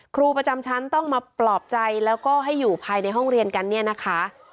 ครูประจำชั้นต้องมาปลอบใจแล้วก็ให้อยู่ภายในห้องเรียนกันเนี่ยนะคะ